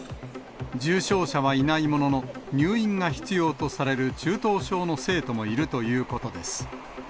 重症者はいないものの、入院が必要とされる中等症の生徒もいるということです。